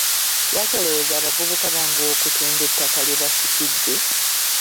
Lwaki olowooza abavubuka banguwa okutunda ettaka lye basikidde?